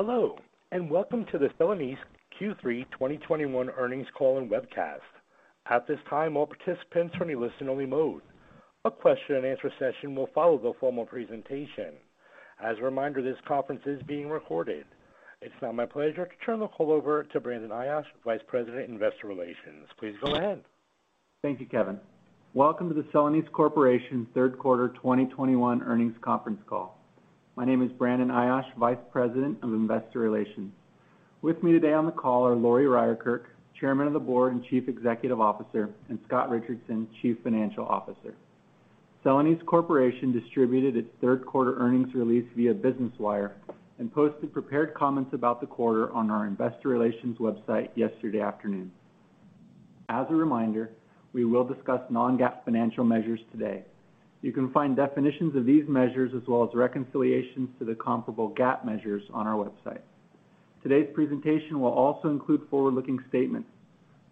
Hello, and welcome to the Celanese Q3 2021 earnings call and webcast. At this time, all participants are in listen only mode. A question and answer session will follow the formal presentation. As a reminder, this conference is being recorded. It's now my pleasure to turn the call over to Brandon Ayache, Vice President, Investor Relations. Please go ahead. Thank you, Kevin. Welcome to the Celanese Corporation third quarter 2021 earnings conference call. My name is Brandon Ayache, Vice President of Investor Relations. With me today on the call are Lori Ryerkerk, Chairman of the Board and Chief Executive Officer, and Scott Richardson, Chief Financial Officer. Celanese Corporation distributed its third quarter earnings release via Business Wire and posted prepared comments about the quarter on our investor relations website yesterday afternoon. As a reminder, we will discuss non-GAAP financial measures today. You can find definitions of these measures as well as reconciliations to the comparable GAAP measures on our website. Today's presentation will also include forward-looking statements.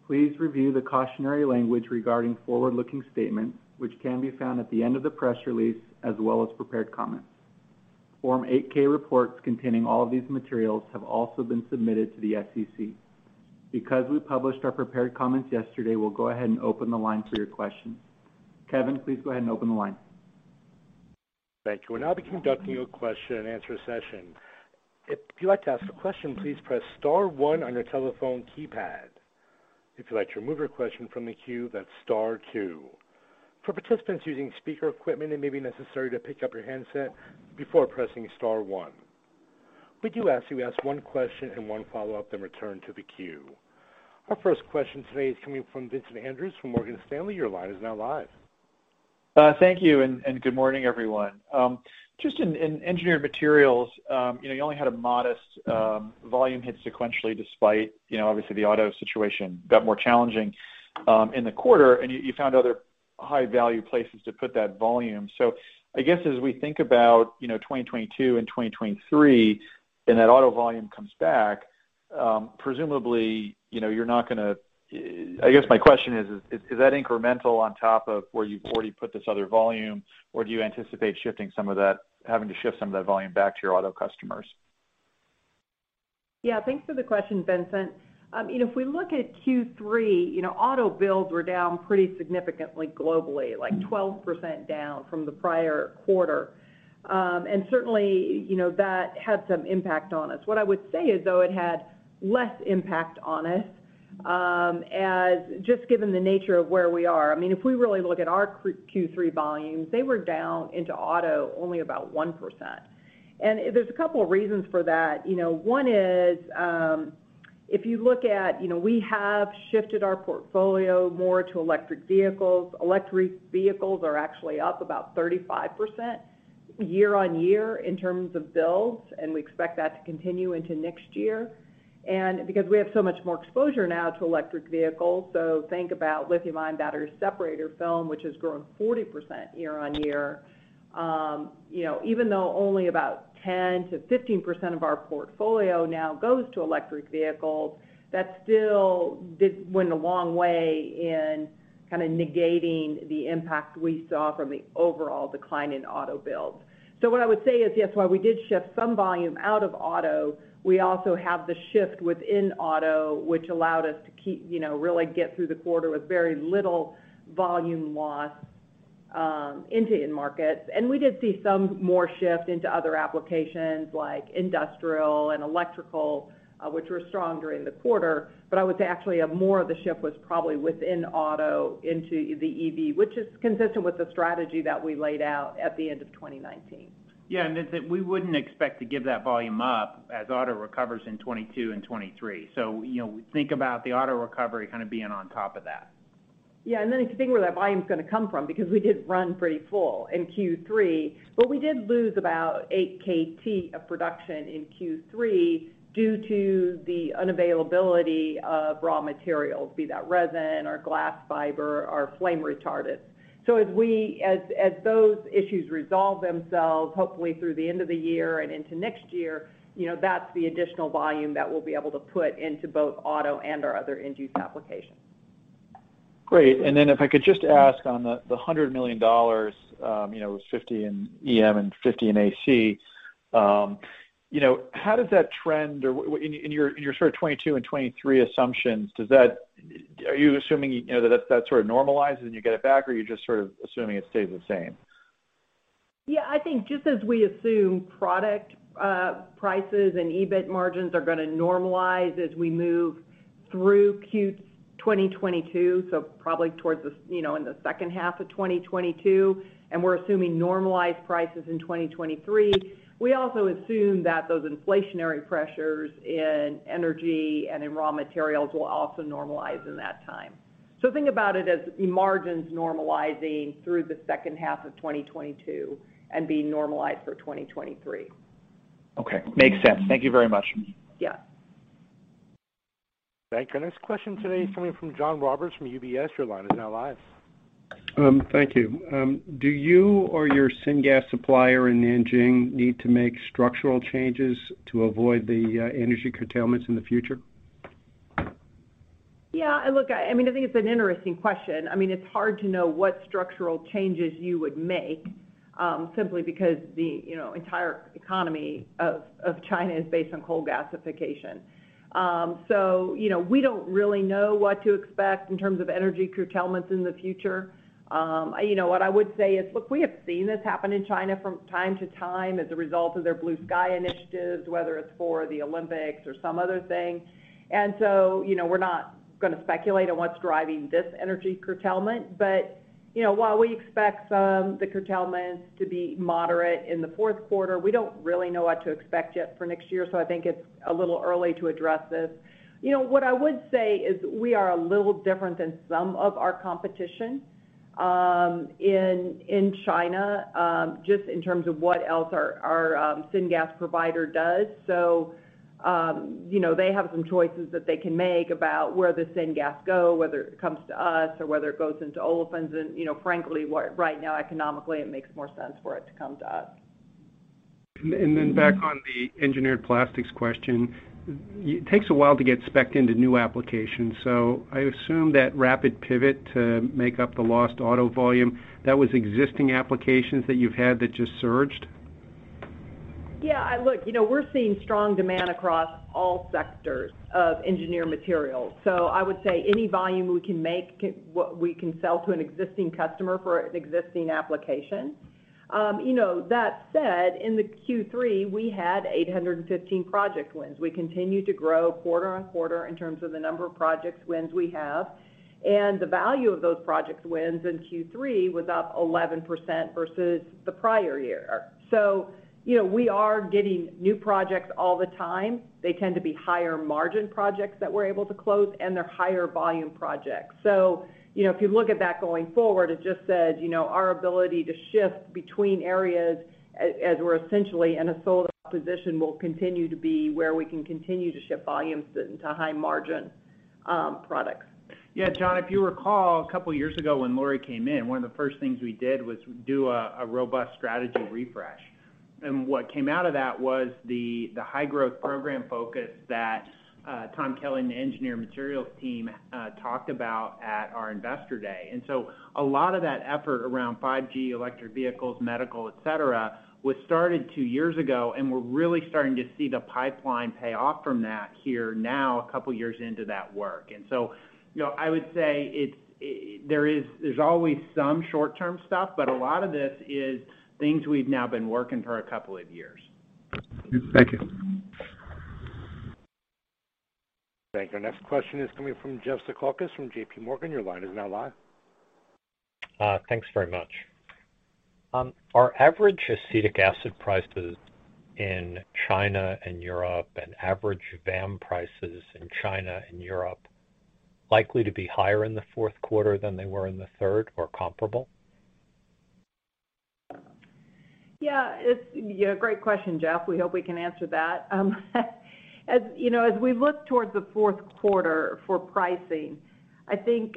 Please review the cautionary language regarding forward-looking statements, which can be found at the end of the press release, as well as prepared comments. Form 8-K reports containing all of these materials have also been submitted to the SEC. Because we published our prepared comments yesterday, we'll go ahead and open the line for your questions. Kevin, please go ahead and open the line. Our first question today is coming from Vincent Andrews from Morgan Stanley. Your line is now live. Thank you, and good morning, everyone. Just in Engineered Materials, you only had a modest volume hit sequentially, despite obviously the auto situation got more challenging in the quarter, and you found other high-value places to put that volume. I guess, as we think about 2022 and 2023, and that auto volume comes back, I guess my question is that incremental on top of where you've already put this other volume, or do you anticipate having to shift some of that volume back to your auto customers? Yeah. Thanks for the question, Vincent. If we look at Q3, auto builds were down pretty significantly globally, like 12% down from the prior quarter. Certainly, that had some impact on us. What I would say is, though it had less impact on us, as just given the nature of where we are. If we really look at our Q3 volumes, they were down into auto only about 1%. There's a couple of reasons for that. One is, if you look at we have shifted our portfolio more to electric vehicles. Electric vehicles are actually up about 35% year-on-year in terms of builds, and we expect that to continue into next year. Because we have so much more exposure now to electric vehicles, so think about lithium-ion battery separator film, which has grown 40% year-on-year. Even though only about 10%-15% of our portfolio now goes to electric vehicles, that still went a long way in negating the impact we saw from the overall decline in auto builds. What I would say is, yes, while we did shift some volume out of auto, we also have the shift within auto, which allowed us to really get through the quarter with very little volume loss into end markets. We did see some more shift into other applications like industrial and electrical, which were strong during the quarter. I would say actually more of the shift was probably within auto into the EV, which is consistent with the strategy that we laid out at the end of 2019. We wouldn't expect to give that volume up as auto recovers in 2022 and 2023. Think about the auto recovery being on top of that. Yeah, you have to think where that volume's going to come from, because we did run pretty full in Q3. We did lose about 8 KT of production in Q3 due to the unavailability of raw materials, be that resin or glass fiber or flame retardant. As those issues resolve themselves, hopefully through the end of the year and into next year, that's the additional volume that we'll be able to put into both auto and our other end-use applications. Great. If I could just ask on the $100 million, it was $50 in EM and $50 in AC. In your 2022 and 2023 assumptions, are you assuming that sort of normalizes and you get it back, or are you just assuming it stays the same? Yeah, I think just as we assume product prices and EBIT margins are going to normalize as we move through 2022, so probably towards in the second half of 2022. We're assuming normalized prices in 2023. We also assume that those inflationary pressures in energy and in raw materials will also normalize in that time. Think about it as margins normalizing through the second half of 2022 and being normalized for 2023. Okay. Makes sense. Thank you very much. Yeah. Thank you. Our next question today is coming from John Roberts from UBS. Your line is now live. Thank you. Do you or your syngas supplier in Nanjing need to make structural changes to avoid the energy curtailments in the future? Yeah, look, I think it's an interesting question. It's hard to know what structural changes you would make, simply because the entire economy of China is based on coal gasification. We don't really know what to expect in terms of energy curtailments in the future. What I would say is, look, we have seen this happen in China from time to time as a result of their BlueSky initiatives, whether it's for the Olympics or some other thing. We're not going to speculate on what's driving this energy curtailment. While we expect some of the curtailments to be moderate in the fourth quarter, we don't really know what to expect yet for next year, so I think it's a little early to address this. What I would say is we are a little different than some of our competition in China, just in terms of what else our syngas provider does. They have some choices that they can make about where the syngas go, whether it comes to us or whether it goes into olefins, and frankly, right now, economically, it makes more sense for it to come to us. Back on the engineered plastics question, it takes a while to get spec'd into new applications, so I assume that rapid pivot to make up the lost auto volume, that was existing applications that you've had that just surged? Yeah. Look, we're seeing strong demand across all sectors of engineered materials. I would say any volume we can make, we can sell to an existing customer for an existing application. That said, in the Q3, we had 815 project wins. We continue to grow quarter-on-quarter in terms of the number of project wins we have, and the value of those project wins in Q3 was up 11% versus the prior year. We are getting new projects all the time. They tend to be higher-margin projects that we're able to close, and they're higher volume projects. If you look at that going forward, it just says, our ability to shift between areas as we're essentially in a sold-out position will continue to be where we can continue to ship volumes into high-margin products. Yeah, John, if you recall, a couple years ago when Lori came in, one of the first things we did was do a robust strategy refresh. What came out of that was the high growth program focus that Tom Kelly and the Engineered Materials team talked about at our Investor Day. A lot of that effort around 5G, electric vehicles, medical, et cetera, was started two years ago, and we're really starting to see the pipeline pay off from that here now, a couple years into that work. I would say there's always some short-term stuff, but a lot of this is things we've now been working for a couple of years. Thank you. Thank you. Our next question is coming from Jeff Zekauskas from JPMorgan. Your line is now live. Thanks very much. Are average acetic acid prices in China and Europe, and average VAM prices in China and Europe likely to be higher in the fourth quarter than they were in the third, or comparable? Yeah. Great question, Jeff. We hope we can answer that. As we look towards the fourth quarter for pricing, I think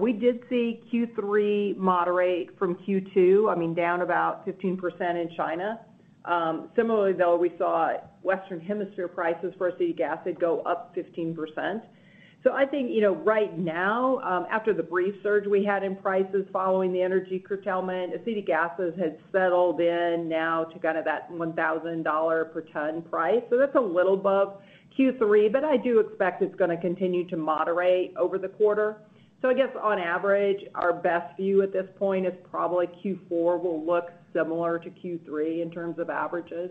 we did see Q3 moderate from Q2, down about 15% in China. Similarly though, we saw Western Hemisphere prices for acetic acid go up 15%. I think right now, after the brief surge we had in prices following the energy curtailment, acetic acid had settled in now to that $1,000 per ton price. That's a little above Q3, but I do expect it's going to continue to moderate over the quarter. I guess on average, our best view at this point is probably Q4 will look similar to Q3 in terms of averages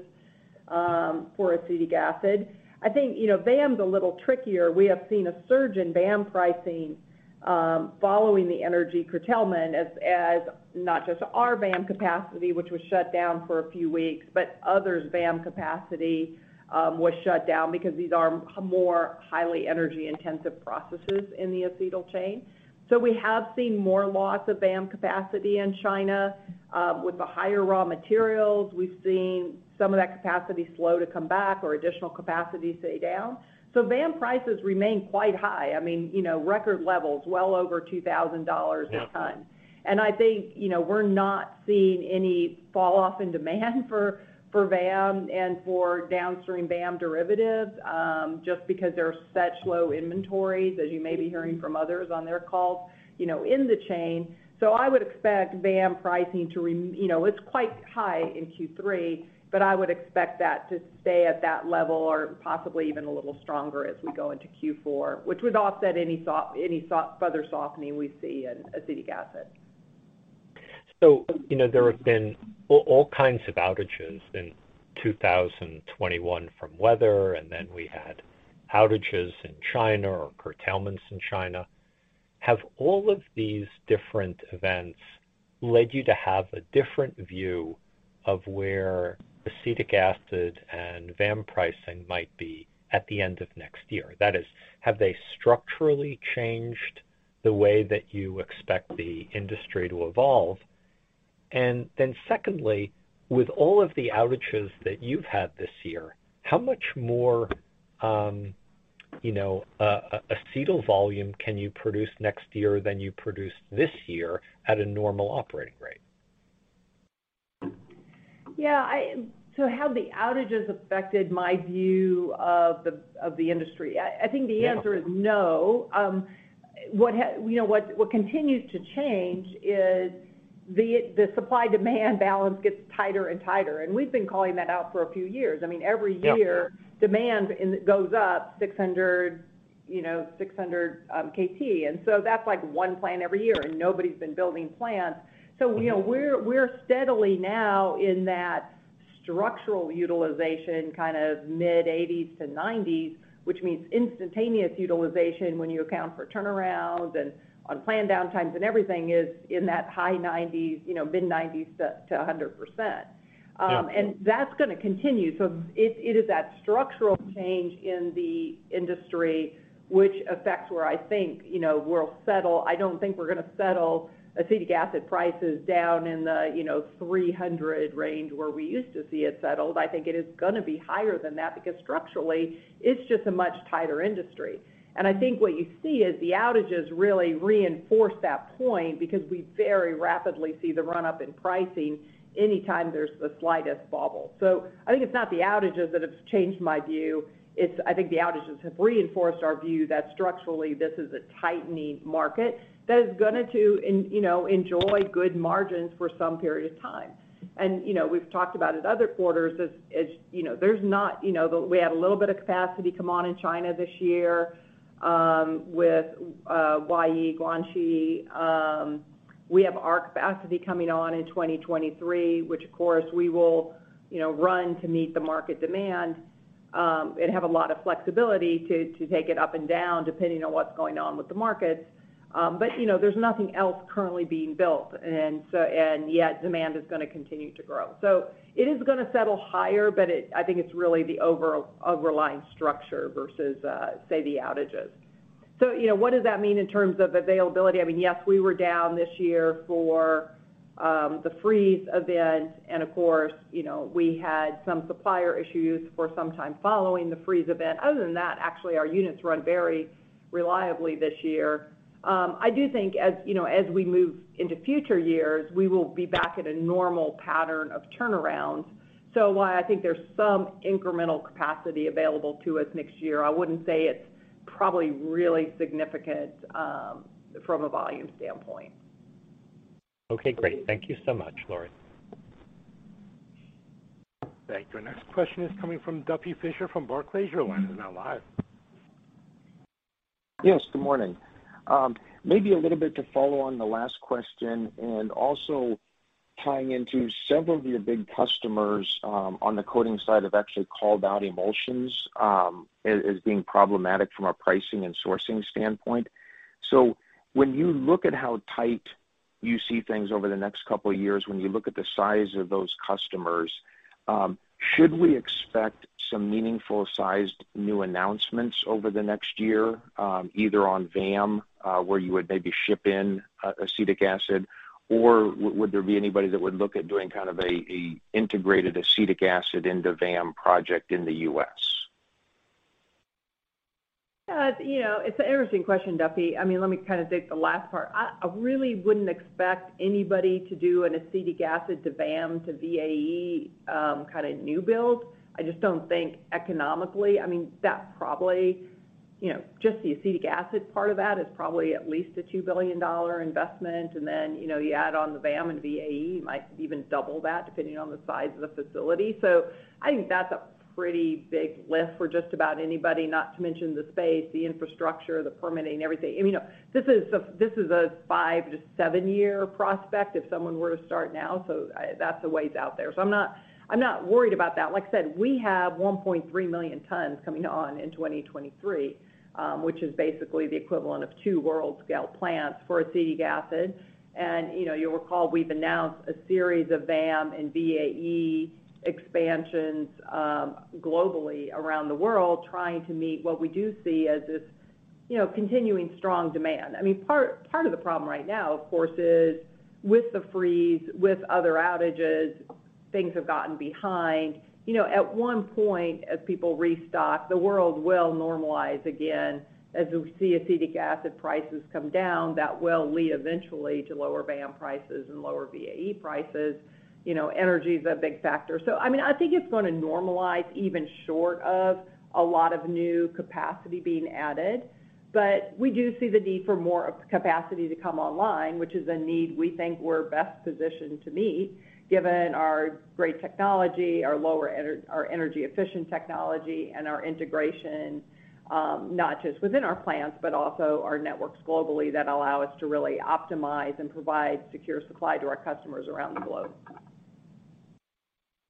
for acetic acid. I think VAM's a little trickier. We have seen a surge in VAM pricing following the energy curtailment as not just our VAM capacity, which was shut down for a few weeks, but others' VAM capacity was shut down because these are more highly energy-intensive processes in the acetyl chain. We have seen more lots of VAM capacity in China. With the higher raw materials, we've seen some of that capacity slow to come back or additional capacity stay down. VAM prices remain quite high, record levels well over $2,000 a ton. I think we're not seeing any fall-off in demand for VAM and for downstream VAM derivatives, just because there are such low inventories, as you may be hearing from others on their calls in the chain. I would expect VAM pricing, it's quite high in Q3, but I would expect that to stay at that level or possibly even a little stronger as we go into Q4, which would offset any further softening we see in acetic acid. There have been all kinds of outages in 2021 from weather, and then we had outages in China or curtailments in China. Have all of these different events led you to have a different view of where acetic acid and VAM pricing might be at the end of next year? That is, have they structurally changed the way that you expect the industry to evolve? And then secondly, with all of the outages that you've had this year, how much more acetyl volume can you produce next year than you produced this year at a normal operating rate? Yeah. Have the outages affected my view of the industry? I think the answer is no. What continues to change is the supply-demand balance gets tighter and tighter, and we've been calling that out for a few years. Every year, demand goes up 600 KT. That's one plant every year, and nobody's been building plants. We're steadily now in that structural utilization kind of mid-80%-90%, which means instantaneous utilization when you account for turnarounds and unplanned downtimes, and everything is in that high 90%, mid-90%-100%. That's going to continue. It is that structural change in the industry which affects where I think we'll settle. I don't think we're going to settle acetic acid prices down in the $300 range where we used to see it settled. I think it is going to be higher than that because structurally, it's just a much tighter industry. I think what you see is the outages really reinforce that point because we very rapidly see the run-up in pricing anytime there's the slightest bubble. I think it's not the outages that have changed my view. I think the outages have reinforced our view that structurally, this is a tightening market that is going to enjoy good margins for some period of time. We've talked about in other quarters is we had a little bit of capacity come on in China this year with Huayi Guangxi. We have our capacity coming on in 2023, which of course we will run to meet the market demand, and have a lot of flexibility to take it up and down depending on what's going on with the markets. There's nothing else currently being built, and yet demand is going to continue to grow. It is going to settle higher, but I think it's really the overlying structure versus, say, the outages. What does that mean in terms of availability? Yes, we were down this year for the freeze event, and of course, we had some supplier issues for some time following the freeze event. Other than that, actually, our units run very reliably this year. I do think as we move into future years, we will be back at a normal pattern of turnarounds. While I think there's some incremental capacity available to us next year, I wouldn't say it's probably really significant from a volume standpoint. Okay, great. Thank you so much, Lori. Thank you. Our next question is coming from Duffy Fischer from Barclays. Your line is now live. Yes, good morning. Maybe a little bit to follow on the last question, and also tying into several of your big customers on the coating side have actually called out emulsions as being problematic from a pricing and sourcing standpoint. When you look at how tight you see things over the next couple of years, when you look at the size of those customers, should we expect some meaningful sized new announcements over the next year, either on VAM, where you would maybe ship in acetic acid, or would there be anybody that would look at doing kind of an integrated acetic acid into VAM project in the U.S.? It's an interesting question, Duffy. Let me kind of take the last part. I really wouldn't expect anybody to do an acetic acid to VAM to VAE kind of new build. I just don't think economically. Just the acetic acid part of that is probably at least a $2 billion investment, and then you add on the VAM and VAE, might even double that depending on the size of the facility. I think that's a pretty big lift for just about anybody, not to mention the space, the infrastructure, the permitting, everything. This is a five to seven year prospect if someone were to start now. That's a ways out there. I'm not worried about that. Like I said, we have 1.3 million tons coming on in 2023, which is basically the equivalent of two world-scale plants for acetic acid. You'll recall, we've announced a series of VAM and VAE expansions globally around the world trying to meet what we do see as this continuing strong demand. Part of the problem right now, of course, is with the freeze, with other outages, things have gotten behind. At one point, as people restock, the world will normalize again. As we see acetic acid prices come down, that will lead eventually to lower VAM prices and lower VAE prices. Energy is a big factor. I think it's going to normalize even short of a lot of new capacity being added. We do see the need for more capacity to come online, which is a need we think we're best positioned to meet given our great technology, our energy-efficient technology, and our integration, not just within our plants, but also our networks globally that allow us to really optimize and provide secure supply to our customers around the globe.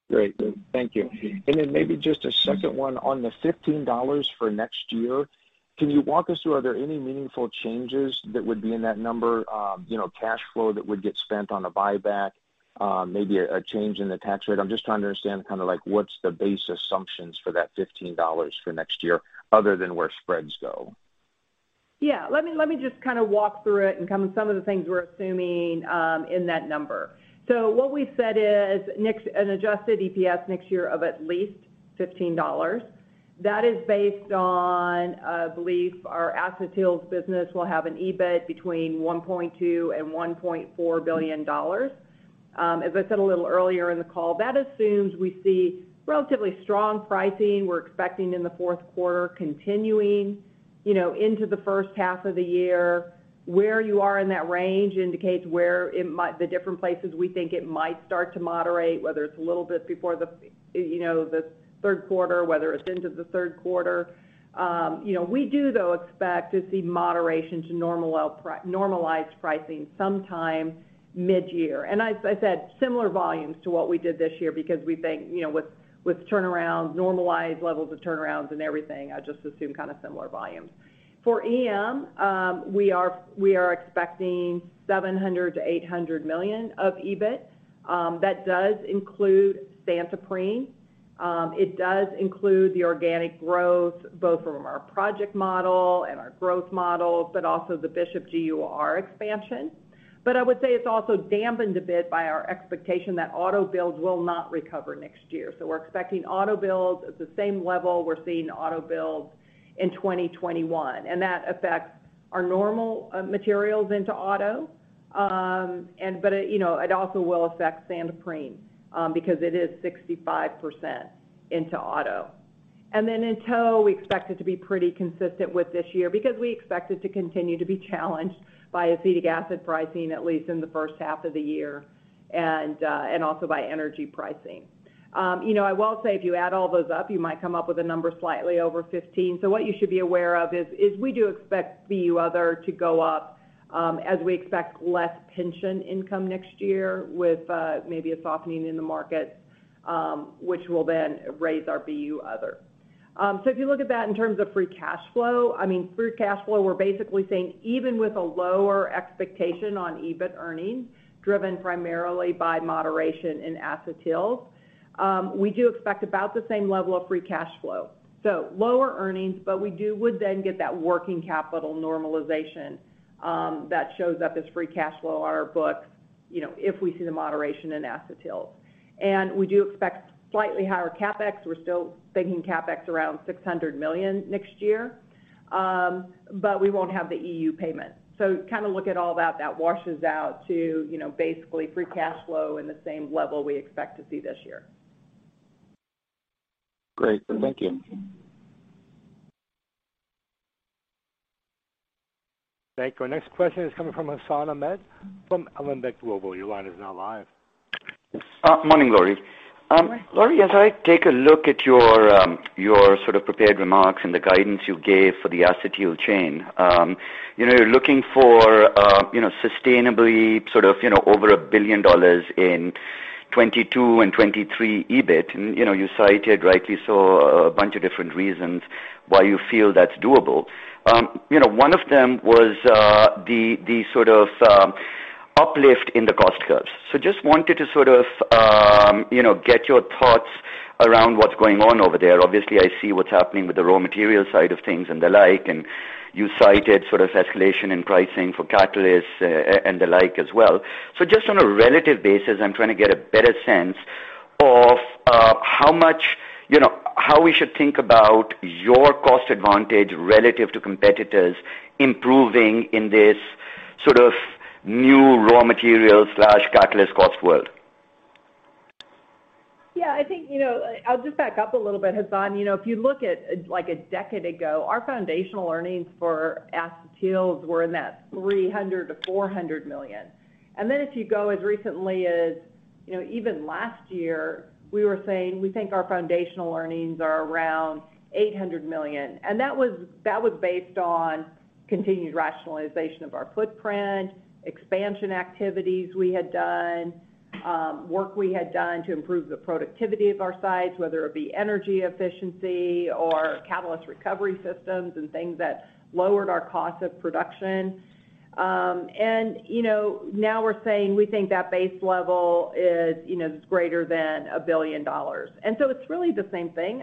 Great. Thank you. Maybe just a second one on the $15 for next year. Can you walk us through, are there any meaningful changes that would be in that number? Cash flow that would get spent on a buyback, maybe a change in the tax rate? I'm just trying to understand kind of like what's the base assumptions for that $15 for next year other than where spreads go. Let me just kind of walk through it and some of the things we're assuming in that number. What we said is an adjusted EPS next year of at least $15. That is based on, I believe our acetyls business will have an EBIT between $1.2 billion-$1.4 billion. As I said a little earlier in the call, that assumes we see relatively strong pricing, we're expecting in the fourth quarter continuing into the first half of the year. Where you are in that range indicates the different places we think it might start to moderate, whether it's a little bit before the third quarter, whether it's into the third quarter. We do, though, expect to see moderation to normalized pricing sometime mid-year. I said similar volumes to what we did this year because we think, with normalized levels of turnarounds and everything, I just assume kind of similar volumes. For EM, we are expecting $700 million-$800 million of EBIT. That does include Santoprene. It does include the organic growth, both from our project model and our growth models, but also the Bishop GUR expansion. I would say it's also dampened a bit by our expectation that auto builds will not recover next year. We're expecting auto builds at the same level we're seeing auto builds in 2021. That affects our normal materials into auto. It also will affect Santoprene, because it is 65% into auto. Then in tow, we expect it to be pretty consistent with this year because we expect it to continue to be challenged by acetic acid pricing, at least in the first half of the year, and also by energy pricing. I will say, if you add all those up, you might come up with a number slightly over $15. What you should be aware of is we do expect BU Other to go up as we expect less pension income next year with maybe a softening in the market, which will then raise our BU Other. If you look at that in terms of free cash flow, we're basically saying even with a lower expectation on EBIT earnings, driven primarily by moderation in acetyls, we do expect about the same level of free cash flow. Lower earnings, we would then get that working capital normalization that shows up as free cash flow on our books if we see the moderation in acetyls. We do expect slightly higher CapEx. We're still thinking CapEx around $600 million next year. We won't have the EU payment. Kind of look at all that. That washes out to basically free cash flow in the same level we expect to see this year. Great. Thank you. Thank you. Our next question is coming from Hassan Ahmed from Alembic Global Advisors. Your line is now live. Morning, Lori. Morning. Lori, as I take a look at your sort of prepared remarks and the guidance you gave for the acetyl chain. You're looking for sustainably sort of over $1 billion in 2022 and 2023 EBIT, and you cited, rightly so, a bunch of different reasons why you feel that's doable. One of them was the sort of uplift in the cost curves. Just wanted to sort of get your thoughts around what's going on over there. Obviously, I see what's happening with the raw material side of things and the like, and you cited sort of escalation in pricing for catalysts, and the like as well. Just on a relative basis, I'm trying to get a better sense of how we should think about your cost advantage relative to competitors improving in this sort of new raw material/catalyst cost world. Yeah, I'll just back up a little bit, Hassan. If you look at like a decade ago, our foundational earnings for acetyls were in that $300 million-$400 million. Then if you go as recently as even last year, we were saying we think our foundational earnings are around $800 million. That was based on continued rationalization of our footprint, expansion activities we had done, work we had done to improve the productivity of our sites, whether it be energy efficiency or catalyst recovery systems and things that lowered our cost of production. Now we're saying we think that base level is greater than $1 billion. So it's really the same thing.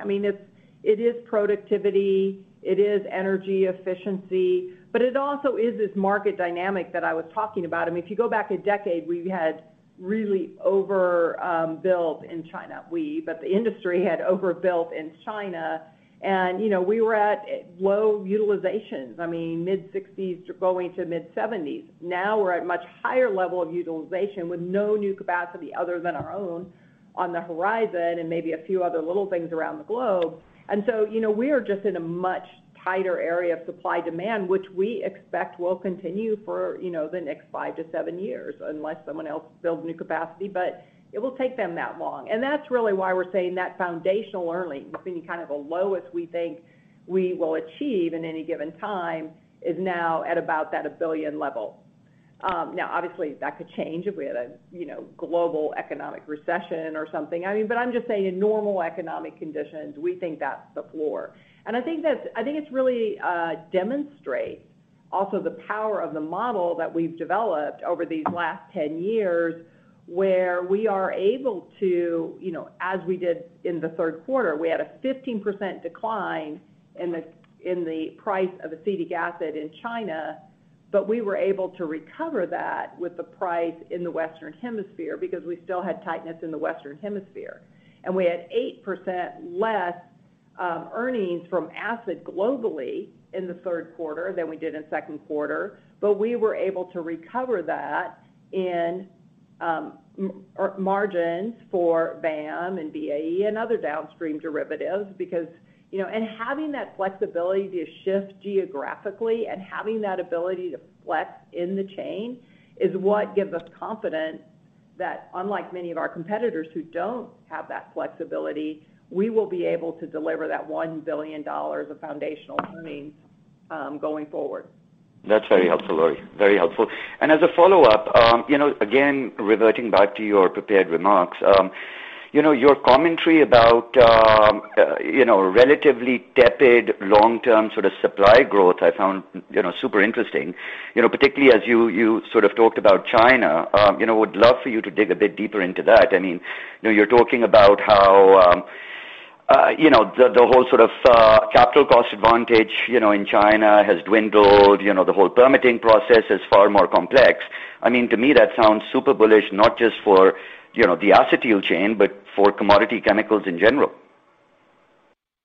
It is productivity, it is energy efficiency, but it also is this market dynamic that I was talking about. If you go back a decade, we've had really overbuild in China. The industry had overbuilt in China, and we were at low utilizations, mid-60% going to mid-70%. We're at much higher level of utilization with no new capacity other than our own on the horizon and maybe a few other little things around the globe. We are just in a much tighter area of supply-demand, which we expect will continue for the next five to seven years, unless someone else builds new capacity, but it will take them that long. That's really why we're saying that foundational earning, between kind of a lowest we think we will achieve in any given time, is now at about that $1 billion level. Obviously, that could change if we had a global economic recession or something. I'm just saying in normal economic conditions, we think that's the floor. I think it really demonstrates also the power of the model that we've developed over these last 10 years, where we are able to, as we did in the third quarter, we had a 15% decline in the price of acetic acid in China. We were able to recover that with the price in the Western Hemisphere because we still had tightness in the Western Hemisphere. We had 8% less earnings from acid globally in the third quarter than we did in the second quarter. We were able to recover that in margins for VAM and VAE and other downstream derivatives. Having that flexibility to shift geographically and having that ability to flex in the chain is what gives us confidence that, unlike many of our competitors who don't have that flexibility, we will be able to deliver that $1 billion of foundational earnings going forward. That's very helpful, Lori. Very helpful. As a follow-up, again, reverting back to your prepared remarks, your commentary about relatively tepid long-term sort of supply growth I found super interesting. Particularly as you sort of talked about China. Would love for you to dig a bit deeper into that. You're talking about how the whole sort of capital cost advantage in China has dwindled. The whole permitting process is far more complex. To me, that sounds super bullish, not just for the acetyl chain, but for commodity chemicals in general.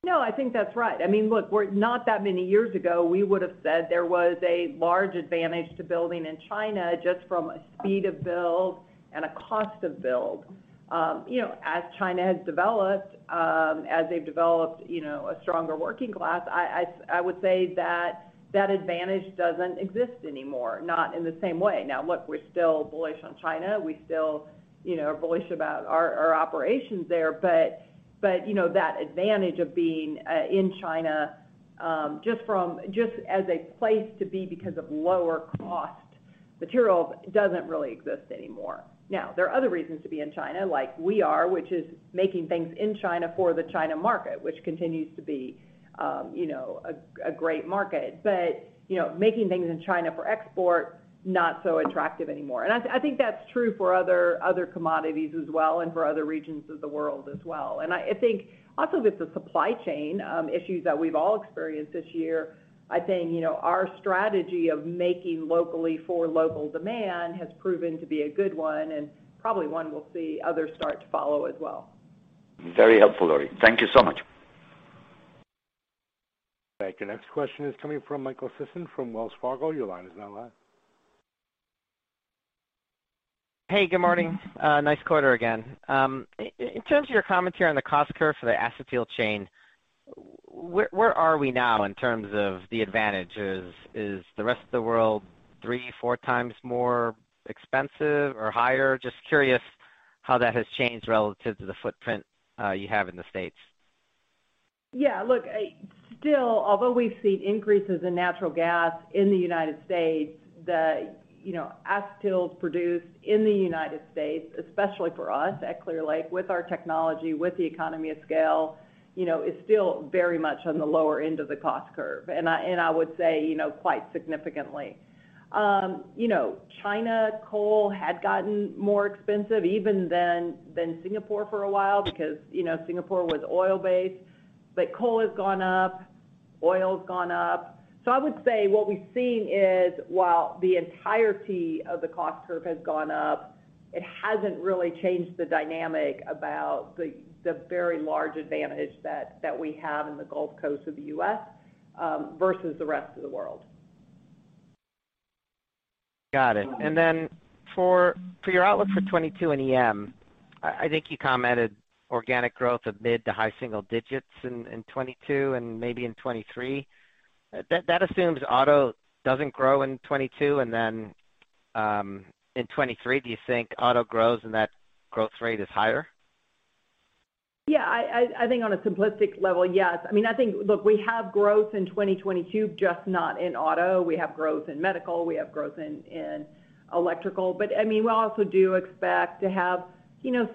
No, I think that's right. Look, not that many years ago, we would've said there was a large advantage to building in China just from a speed of build and a cost of build. As China has developed, as they've developed a stronger working class, I would say that advantage doesn't exist anymore, not in the same way. Now, look, we're still bullish on China. We still are bullish about our operations there, but that advantage of being in China just as a place to be because of lower cost material doesn't really exist anymore. Now, there are other reasons to be in China like we are, which is making things in China for the China market, which continues to be a great market. Making things in China for export, not so attractive anymore. I think that's true for other commodities as well, and for other regions of the world as well. I think also with the supply chain issues that we've all experienced this year, I think our strategy of making locally for local demand has proven to be a good one, and probably one we'll see others start to follow as well. Very helpful, Lori. Thank you so much. Thank you. Next question is coming from Michael Sison from Wells Fargo. Your line is now live. Hey, good morning. Nice quarter again. In terms of your commentary on the cost curve for the acetyl chain, where are we now in terms of the advantage? Is the rest of the world three, four times more expensive or higher? Just curious how that has changed relative to the footprint you have in the States. Yeah, look, still, although we've seen increases in natural gas in the United States, the acetyls produced in the United States, especially for us at Clear Lake, with our technology, with the economy of scale, is still very much on the lower end of the cost curve, and I would say quite significantly. China coal had gotten more expensive even than Singapore for a while because Singapore was oil-based, but coal has gone up, oil's gone up. I would say what we've seen is while the entirety of the cost curve has gone up, it hasn't really changed the dynamic about the very large advantage that we have in the Gulf Coast of the U.S. versus the rest of the world. Got it. For your outlook for 2022 and EM, I think you commented organic growth of mid to high single digits in 2022 and maybe in 2023. That assumes auto doesn't grow in 2022, and then in 2023, do you think auto grows and that growth rate is higher? I think on a simplistic level, yes. Look, we have growth in 2022, just not in auto. We have growth in medical, we have growth in electrical, but we also do expect to have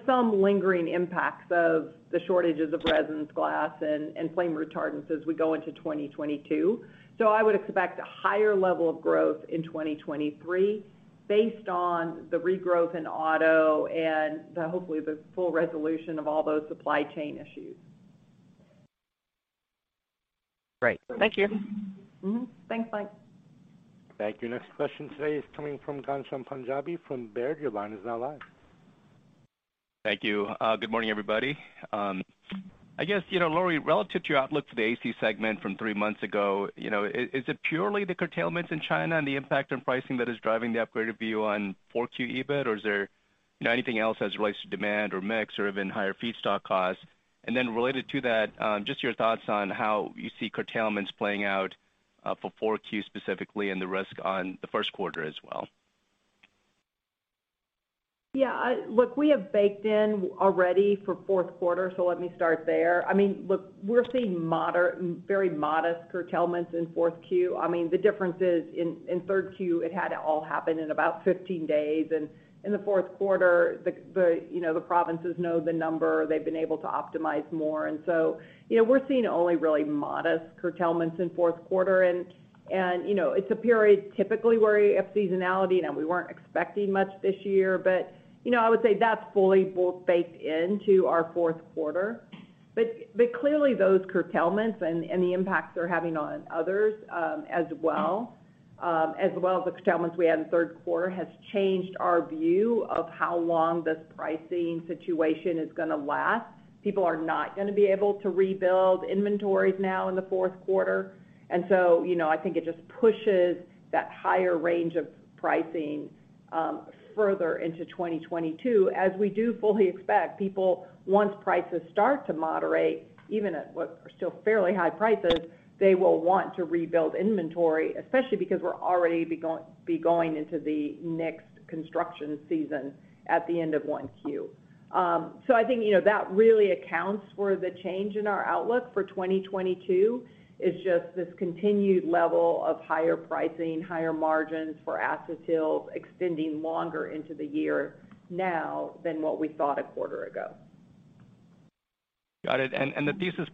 some lingering impacts of the shortages of resins, glass, and flame retardants as we go into 2022. I would expect a higher level of growth in 2023 based on the regrowth in auto and hopefully the full resolution of all those supply chain issues. Great. Thank you. Thanks, Mike. Thank you. Next question today is coming from Ghansham Panjabi from Baird. Your line is now live. Thank you. Good morning, everybody. I guess, Lori, relative to your outlook for the AC segment from three months ago, is it purely the curtailments in China and the impact on pricing that is driving the upgraded view on 4Q EBIT, or is there anything else as it relates to demand or mix or even higher feedstock costs? Related to that, just your thoughts on how you see curtailments playing out for 4Q specifically and the risk on the first quarter as well. Look, we have baked in already for fourth quarter, let me start there. We're seeing very modest curtailments in fourth Q. The difference is in third Q, it had to all happen in about 15 days. In the fourth quarter, the provinces know the number. They've been able to optimize more, we're seeing only really modest curtailments in fourth quarter, it's a period typically where you have seasonality. We weren't expecting much this year, I would say that's fully baked into our fourth quarter. Clearly those curtailments and the impacts they're having on others, as well as the curtailments we had in the third quarter, has changed our view of how long this pricing situation is going to last. People are not going to be able to rebuild inventories now in the fourth quarter. I think it just pushes that higher range of pricing further into 2022. We do fully expect people, once prices start to moderate, even at what are still fairly high prices, they will want to rebuild inventory, especially because we're already be going into the next construction season at the end of 1Q. I think, that really accounts for the change in our outlook for 2022, is just this continued level of higher pricing, higher margins for acetyls extending longer into the year now than what we thought a quarter ago. Got it. The thesis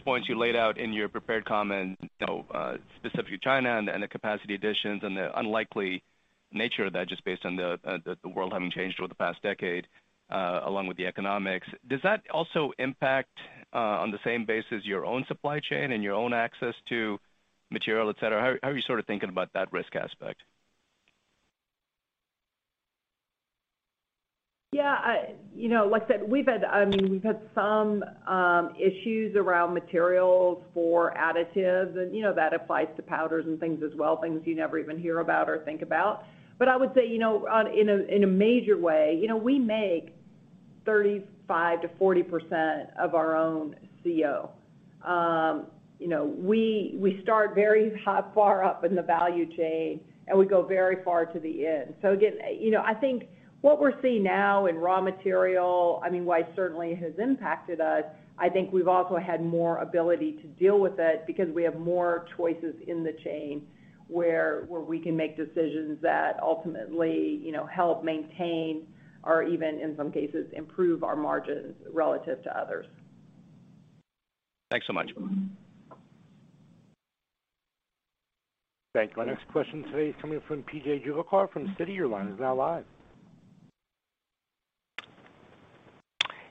points you laid out in your prepared comments, specifically China and the capacity additions and the unlikely nature of that, just based on the world having changed over the past decade, along with the economics, does that also impact, on the same basis, your own supply chain and your own access to material, et cetera? How are you thinking about that risk aspect? Yeah. Like I said, we've had some issues around materials for additives and that applies to powders and things as well, things you never even hear about or think about. I would say, in a major way, we make 35%-40% of our own CO. We start very far up in the value chain, and we go very far to the end. Again, I think what we're seeing now in raw material, while it certainly has impacted us, I think we've also had more ability to deal with it because we have more choices in the chain where we can make decisions that ultimately help maintain or even, in some cases, improve our margins relative to others. Thanks so much. Thank you. Our next question today is coming from P.J. Juvekar from Citi. Your line is now live.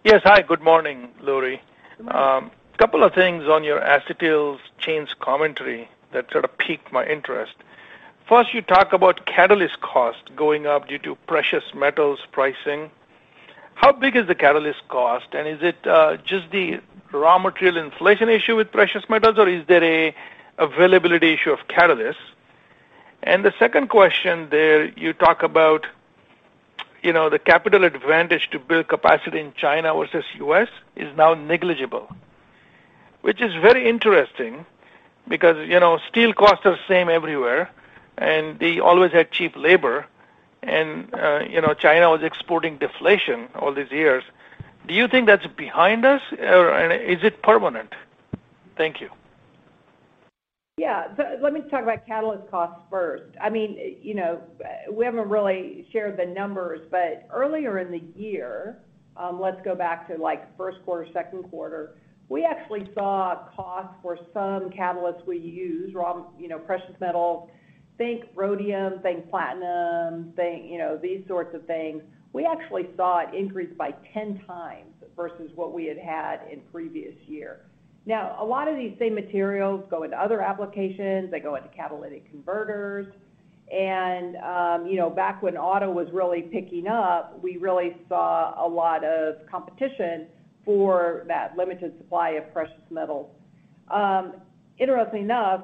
Yes. Hi, good morning, Lori. Good morning. A couple of things on your acetyl chains commentary that sort of piqued my interest. First, you talk about catalyst cost going up due to precious metals pricing. How big is the catalyst cost, and is it just the raw material inflation issue with precious metals, or is there a availability issue of catalysts? The second question there, you talk about the capital advantage to build capacity in China versus U.S. is now negligible, which is very interesting because steel costs are the same everywhere, and they always had cheap labor and China was exporting deflation all these years. Do you think that's behind us, or is it permanent? Thank you. Yeah. Let me talk about catalyst costs first. We haven't really shared the numbers, but earlier in the year, let's go back to first quarter, second quarter, we actually saw costs for some catalysts we use, precious metals, think rhodium, think platinum, these sorts of things. We actually saw it increase by 10x versus what we had had in previous year. Now, a lot of these same materials go into other applications. They go into catalytic converters and back when auto was really picking up, we really saw a lot of competition for that limited supply of precious metals. Interestingly enough,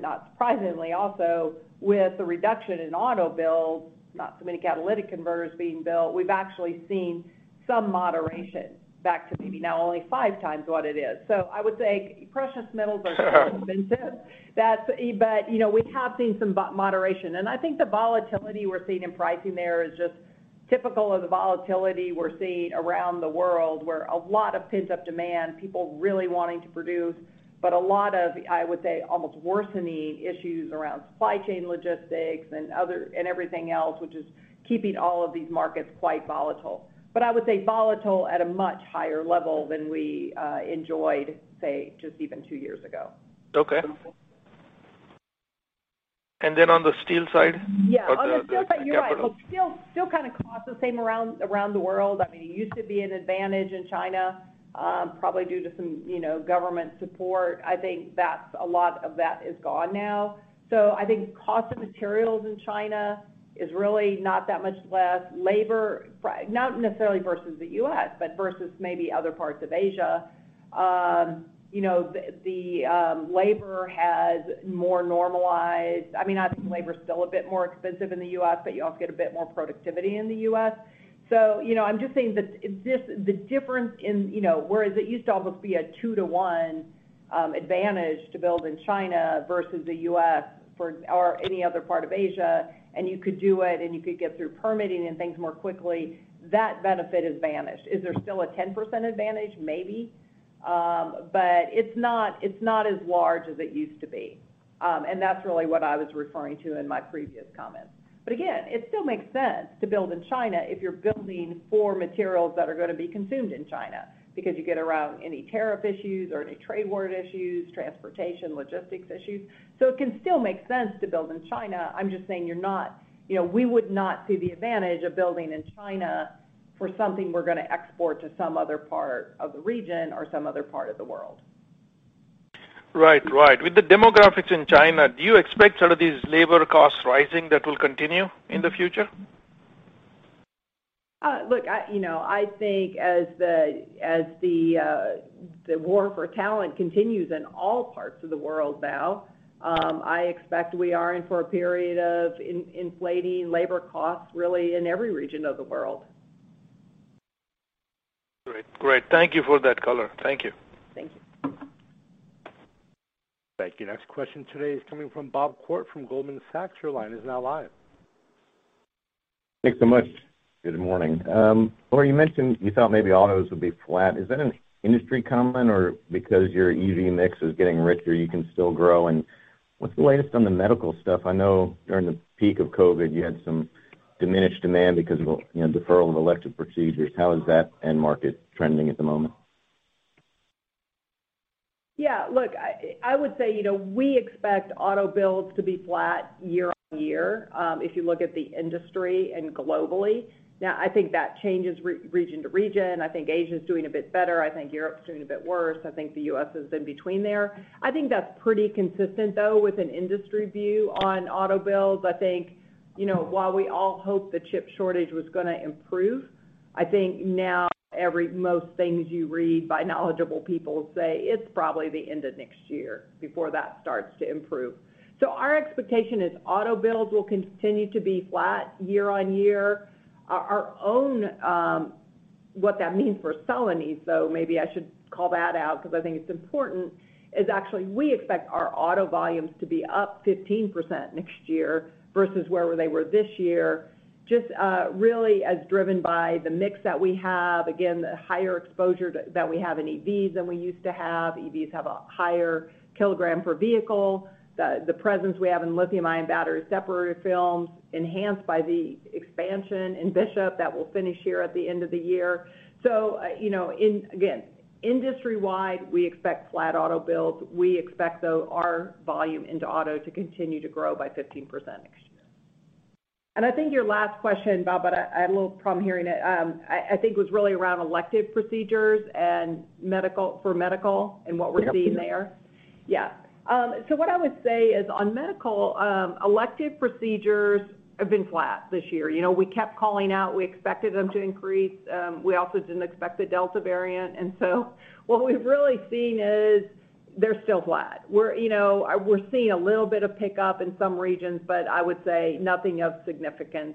not surprisingly also, with the reduction in auto build, not so many catalytic converters being built, we've actually seen some moderation back to maybe now only 5x what it is. I would say precious metals are expensive. We have seen some moderation, and I think the volatility we're seeing in pricing there is just typical of the volatility we're seeing around the world, where a lot of pent-up demand, people really wanting to produce, but a lot of, I would say, almost worsening issues around supply chain logistics and everything else, which is keeping all of these markets quite volatile. I would say volatile at a much higher level than we enjoyed, say, just even two years ago. Okay. On the steel side? Yeah. On the steel side, you're right. Steel costs the same around the world. It used to be an advantage in China, probably due to some government support. I think a lot of that is gone now. I think cost of materials in China is really not that much less. Labor, not necessarily versus the U.S., but versus maybe other parts of Asia. The labor has more normalized. I think labor's still a bit more expensive in the U.S., but you also get a bit more productivity in the U.S. I'm just saying that the difference in whereas it used to almost be a 2:1 advantage to build in China versus the U.S. or any other part of Asia, and you could do it and you could get through permitting and things more quickly, that benefit has vanished. Is there still a 10% advantage? Maybe. It's not as large as it used to be. That's really what I was referring to in my previous comments. Again, it still makes sense to build in China if you're building for materials that are going to be consumed in China because you get around any tariff issues or any trade war issues, transportation, logistics issues. It can still make sense to build in China. I'm just saying we would not see the advantage of building in China for something we're going to export to some other part of the region or some other part of the world. Right. With the demographics in China, do you expect some of these labor costs rising that will continue in the future? Look, I think as the war for talent continues in all parts of the world now, I expect we are in for a period of inflating labor costs, really, in every region of the world. Great. Thank you for that color. Thank you. Thank you. Thank you. Next question today is coming from Bob Koort from Goldman Sachs. Thanks so much. Good morning. Lori, you mentioned you thought maybe autos would be flat. Is that an industry comment or because your EV mix is getting richer, you can still grow? What's the latest on the medical stuff? I know during the peak of COVID, you had some diminished demand because of deferral of elective procedures. How is that end market trending at the moment? Yeah, look, I would say, we expect auto builds to be flat year-on-year. If you look at the industry and globally, now, I think that changes region to region. I think Asia's doing a bit better. I think Europe's doing a bit worse. I think the U.S. is in between there. I think that's pretty consistent, though, with an industry view on auto builds. I think, while we all hoped the chip shortage was going to improve, I think now most things you read by knowledgeable people say it's probably the end of next year before that starts to improve. Our expectation is auto builds will continue to be flat year-on-year. What that means for Celanese, though, maybe I should call that out because I think it's important, is actually we expect our auto volumes to be up 15% next year versus where they were this year, just really as driven by the mix that we have. The higher exposure that we have in EVs than we used to have. EVs have a higher kilogram per vehicle. The presence we have in lithium-ion battery separator films, enhanced by the expansion in Bishop that will finish here at the end of the year. Industry-wide, we expect flat auto builds. We expect, though, our volume into auto to continue to grow by 15% next year. I think your last question, Bob, I had a little problem hearing it. I think it was really around elective procedures for medical and what we're seeing there. Yeah. Yeah. What I would say is on medical, elective procedures have been flat this year. We kept calling out, we expected them to increase. We also didn't expect the Delta variant, what we've really seen is they're still flat. We're seeing a little bit of pickup in some regions, I would say nothing of significance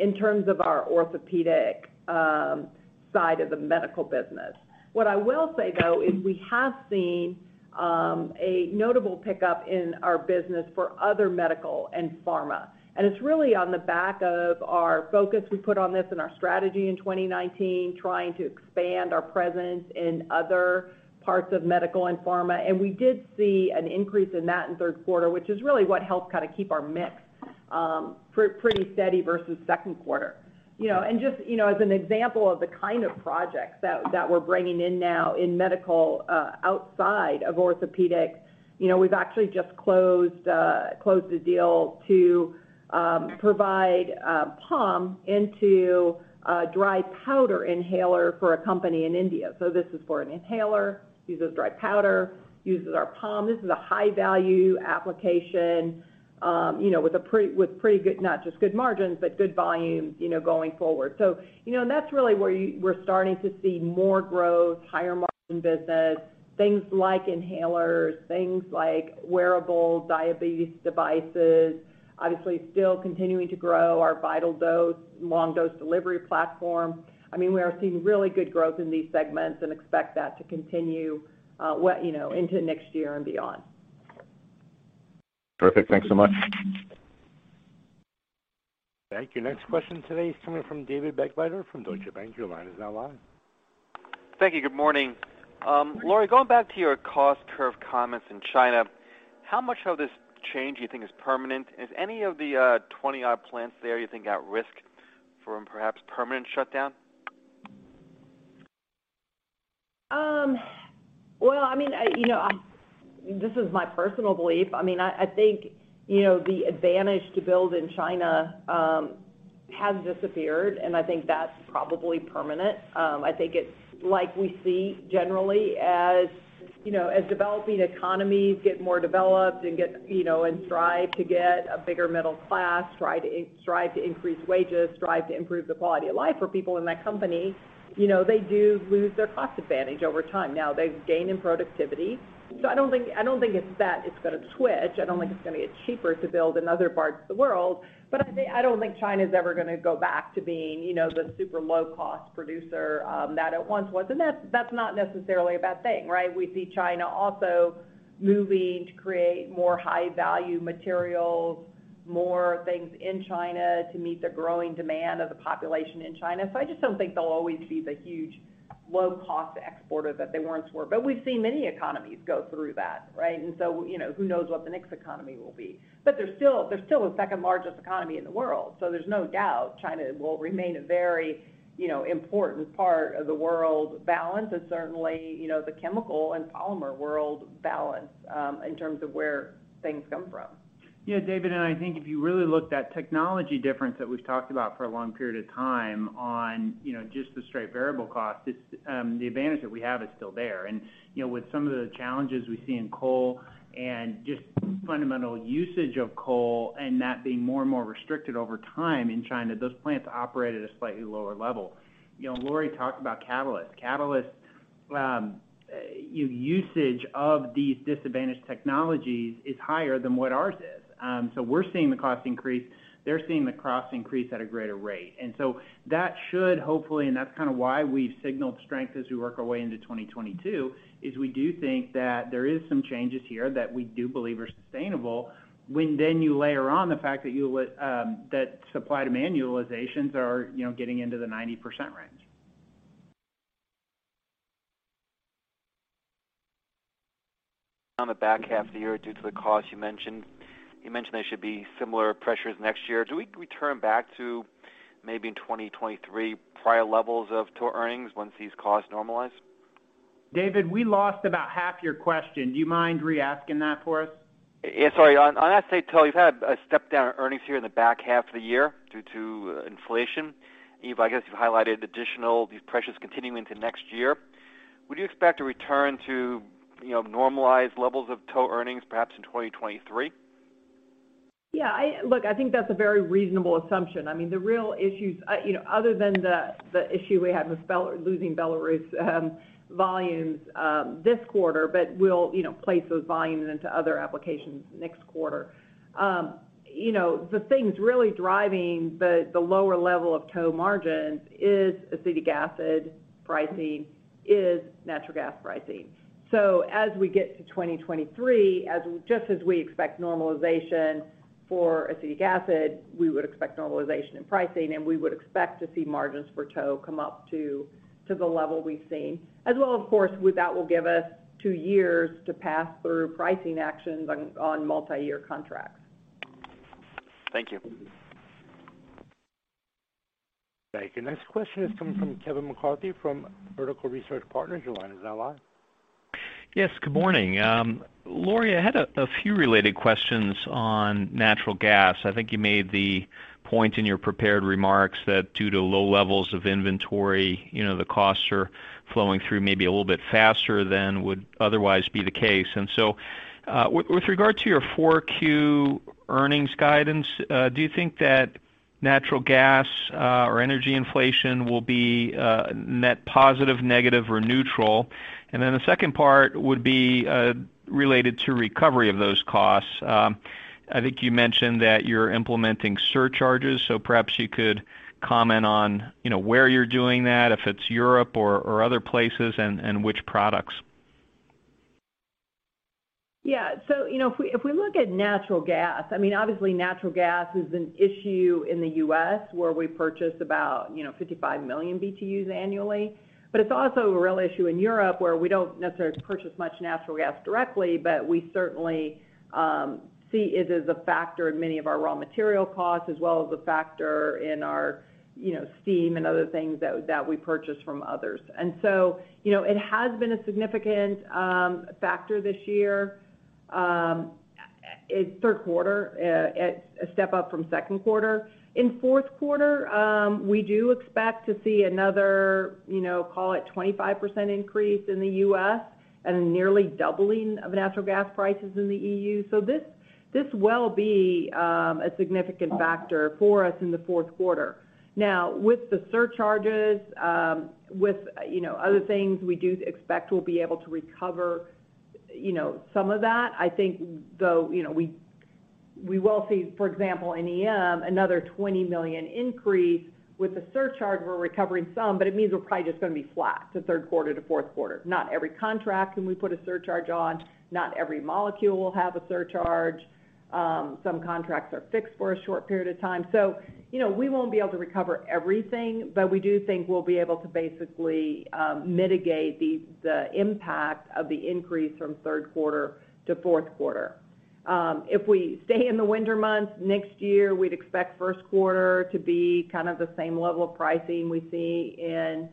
in terms of our orthopedic side of the medical business. What I will say, though, is we have seen a notable pickup in our business for other medical and pharma, it's really on the back of our focus we put on this and our strategy in 2019, trying to expand our presence in other parts of medical and pharma. We did see an increase in that in third quarter, which is really what helped kind of keep our mix pretty steady versus second quarter. Just as an example of the kind of projects that we're bringing in now in medical outside of orthopedic, we've actually just closed a deal to provide POM into a dry powder inhaler for a company in India. This is for an inhaler, uses dry powder, uses our POM. This is a high-value application, with not just good margins, but good volumes going forward. That's really where we're starting to see more growth, higher margin business, things like inhalers, things like wearable diabetes devices. Obviously still continuing to grow our VitalDose long dose delivery platform. We are seeing really good growth in these segments and expect that to continue into next year and beyond. Perfect. Thanks so much. Thank you. Next question today is coming from David Begleiter from Deutsche Bank. Your line is now live. Thank you. Good morning. Good morning. Lori, going back to your cost curve comments in China, how much of this change do you think is permanent? Is any of the 20-odd plants there you think at risk from perhaps permanent shutdown? This is my personal belief. I think, the advantage to build in China has disappeared, and I think that's probably permanent. I think it's like we see generally as developing economies get more developed and strive to get a bigger middle class, strive to increase wages, strive to improve the quality of life for people in that company, they do lose their cost advantage over time. Now, they've gained in productivity, so I don't think it's that it's going to switch. I don't think it's going to get cheaper to build in other parts of the world. I don't think China's ever going to go back to being the super low-cost producer that it once was, and that's not necessarily a bad thing, right? We see China also moving to create more high-value materials, more things in China to meet the growing demand of the population in China. I just don't think they'll always be the huge low-cost exporter that they once were. We've seen many economies go through that, right? Who knows what the next economy will be. They're still the second-largest economy in the world, so there's no doubt China will remain a very important part of the world balance and certainly the chemical and polymer world balance in terms of where things come from. Yeah, David, I think if you really look, that technology difference that we've talked about for a one long period of time on just the straight variable cost, the advantage that we have is still there. With some of the challenges we see in coal and just fundamental usage of coal and that being more and more restricted over time in China, those plants operate at a slightly lower level. Lori talked about catalysts. Catalysts usage of these disadvantaged technologies is higher than what ours is. We're seeing the cost increase, they're seeing the cost increase at a greater rate. That should hopefully, and that's kind of why we've signaled strength as we work our way into 2022, is we do think that there is some changes here that we do believe are sustainable when then you layer on the fact that supply utilizations are getting into the 90% range. On the back half of the year due to the cost you mentioned. You mentioned there should be similar pressures next year. Do we return back to maybe in 2023, prior levels of EBIT earnings once these costs normalize? David, we lost about half your question. Do you mind re-asking that for us? Yeah, sorry. On that same note, you've had a step down in earnings here in the back half of the year due to inflation. I guess you've highlighted these pressures continuing into next year. Would you expect to return to normalized levels of total earnings perhaps in 2023? Yeah. Look, I think that's a very reasonable assumption. I mean, the real issues other than the issue we had with losing Belarus volumes this quarter, but we'll place those volumes into other applications next quarter. The things really driving the lower level of tow margins is acetic acid pricing, is natural gas pricing. As we get to 2023, just as we expect normalization for acetic acid, we would expect normalization in pricing, and we would expect to see margins for tow come up to the level we've seen. As well, of course, that will give us two years to pass through pricing actions on multi-year contracts. Thank you. Thank you. Next question is coming from Kevin McCarthy from Vertical Research Partners. Your line is now live. Yes, good morning. Lori, I had a few related questions on natural gas. I think you made the point in your prepared remarks that due to low levels of inventory, the costs are flowing through maybe a little bit faster than would otherwise be the case. With regard to your 4Q earnings guidance, do you think that natural gas or energy inflation will be net positive, negative, or neutral? The second part would be related to recovery of those costs. I think you mentioned that you're implementing surcharges, so perhaps you could comment on where you're doing that, if it's Europe or other places, and which products. If we look at natural gas, obviously natural gas is an issue in the U.S. where we purchase about 55 million BTUs annually. It's also a real issue in Europe, where we don't necessarily purchase much natural gas directly, but we certainly see it as a factor in many of our raw material costs, as well as a factor in our steam and other things that we purchase from others. It has been a significant factor this year. In third quarter, it's a step up from second quarter. In fourth quarter, we do expect to see another call it 25% increase in the U.S., and nearly doubling of natural gas prices in the EU. This will be a significant factor for us in the fourth quarter. With the surcharges, with other things, we do expect we'll be able to recover some of that. I think, though, we will see, for example, in EM, another $20 million increase. With the surcharge, we're recovering some, but it means we're probably just going to be flat to third quarter to fourth quarter. Not every contract can we put a surcharge on. Not every molecule will have a surcharge. Some contracts are fixed for a short period of time. We won't be able to recover everything, but we do think we'll be able to basically mitigate the impact of the increase from third quarter to fourth quarter. If we stay in the winter months next year, we'd expect first quarter to be kind of the same level of pricing we see in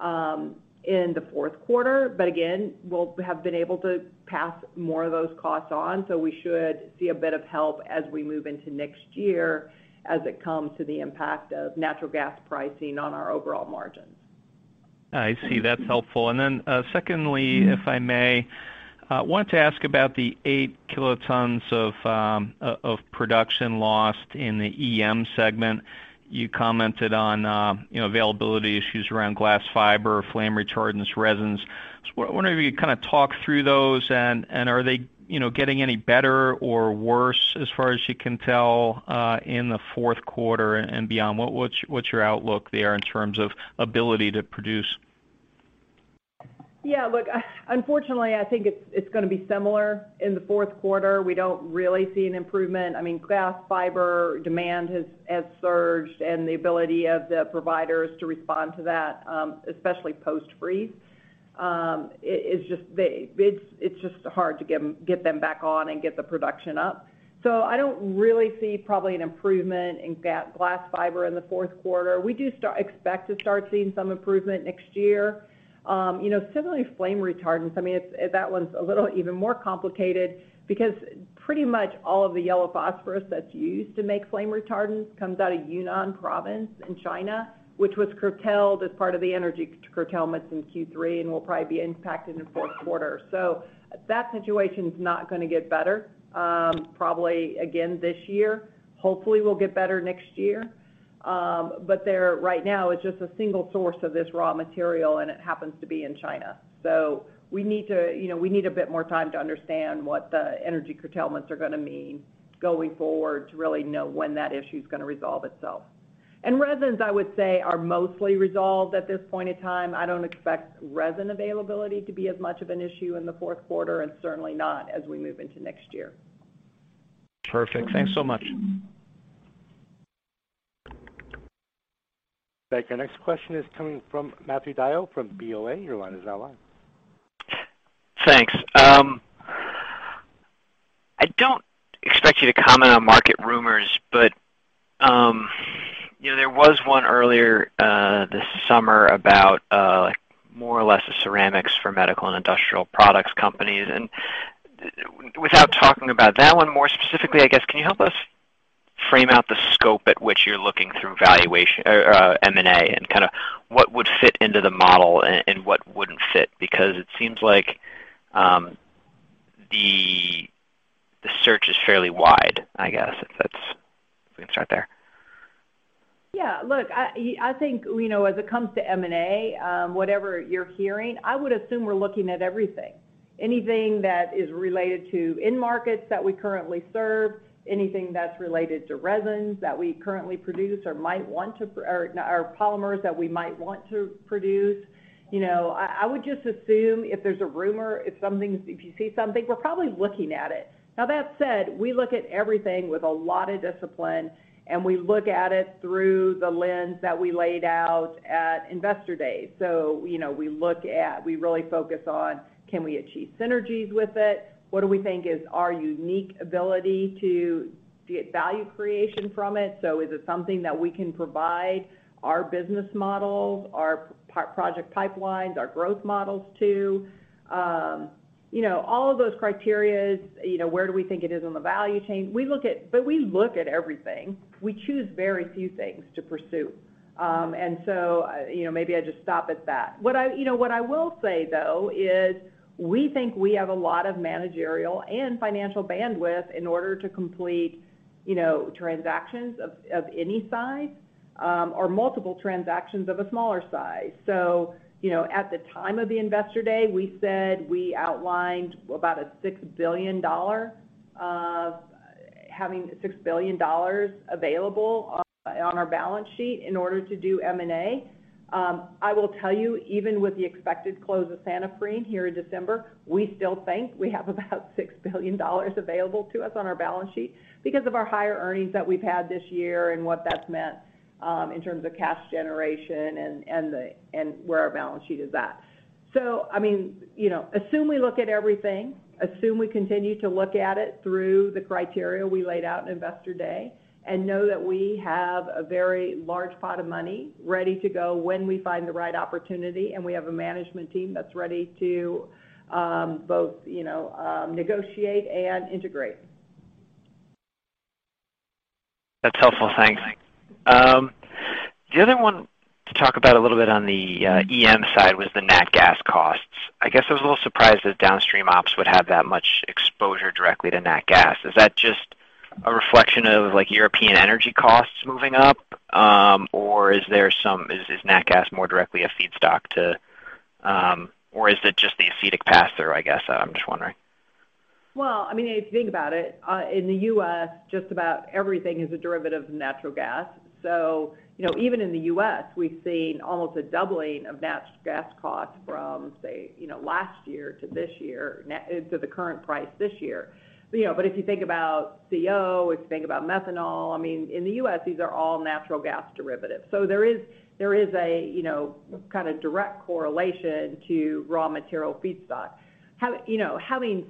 the fourth quarter. Again, we'll have been able to pass more of those costs on. We should see a bit of help as we move into next year as it comes to the impact of natural gas pricing on our overall margins. I see. That's helpful. Secondly, if I may, I wanted to ask about the 8 KT of production lost in the EM segment. You commented on availability issues around glass fiber, flame retardant resins. I was wondering if you could kind of talk through those. Are they getting any better or worse as far as you can tell in the fourth quarter and beyond? What's your outlook there in terms of ability to produce? Yeah, look, unfortunately, I think it's going to be similar in the fourth quarter. We don't really see an improvement. Glass fiber demand has surged, and the ability of the providers to respond to that, especially post-freeze, it's just hard to get them back on and get the production up. I don't really see probably an improvement in glass fiber in the fourth quarter. We do expect to start seeing some improvement next year. Similarly, flame retardants. That one's a little even more complicated because pretty much all of the yellow phosphorus that's used to make flame retardants comes out of Yunnan Province in China, which was curtailed as part of the energy curtailments in Q3 and will probably be impacted in fourth quarter. That situation's not going to get better, probably again this year. Hopefully, will get better next year. There right now is just a single source of this raw material, and it happens to be in China. We need a bit more time to understand what the energy curtailments are going to mean going forward to really know when that issue's going to resolve itself. Resins, I would say, are mostly resolved at this point in time. I don't expect resin availability to be as much of an issue in the fourth quarter, and certainly not as we move into next year. Perfect. Thanks so much. Thank you. Our next question is coming from Matthew DeYoe from BofA. Your line is now live. Thanks. I don't expect you to comment on market rumors, but there was one earlier this summer about more or less the ceramics for medical and industrial products companies. And without talking about that one more specifically, I guess, can you help us frame out the scope at which you're looking through M&A and kind of what would fit into the model and what wouldn't fit? Because it seems like the search is fairly wide, I guess, if we can start there. Yeah, look, I think, as it comes to M&A, whatever you're hearing, I would assume we're looking at everything. Anything that is related to end markets that we currently serve, anything that's related to resins that we currently produce or polymers that we might want to produce. I would just assume if there's a rumor, if you see something, we're probably looking at it. Now that said, we look at everything with a lot of discipline, and we look at it through the lens that we laid out at Investor Day. We really focus on can we achieve synergies with it? What do we think is our unique ability to get value creation from it? Is it something that we can provide our business models, our project pipelines, our growth models to? All of those criteria, where do we think it is on the value chain? We look at everything. We choose very few things to pursue. Maybe I just stop at that. What I will say, though, is we think we have a lot of managerial and financial bandwidth in order to complete transactions of any size, or multiple transactions of a smaller size. At the time of the Investor Day, we said we outlined about having $6 billion available on our balance sheet in order to do M&A. I will tell you, even with the expected close of Santoprene here in December, we still think we have about $6 billion available to us on our balance sheet because of our higher earnings that we've had this year and what that's meant in terms of cash generation and where our balance sheet is at. Assume we look at everything, assume we continue to look at it through the criteria we laid out in Investor Day, and know that we have a very large pot of money ready to go when we find the right opportunity, and we have a management team that's ready to both negotiate and integrate. That's helpful. Thanks. The other one to talk about a little bit on the EM side was the nat gas costs. I guess I was a little surprised that downstream ops would have that much exposure directly to nat gas. Is that just a reflection of European energy costs moving up? Is nat gas more directly a feedstock or is it just the acetic pass through, I guess? I'm just wondering. If you think about it, in the U.S., just about everything is a derivative of natural gas. Even in the U.S., we've seen almost a doubling of natural gas costs from, say, last year to the current price this year. If you think about CO, if you think about methanol, in the U.S., these are all natural gas derivatives. There is a kind of direct correlation to raw material feedstock. Having